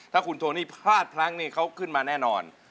ถ้าคุณโทนี่พลาดพลั้งนี่เขาขึ้นมาแน่นอน